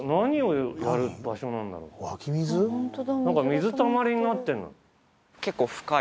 水たまりになって。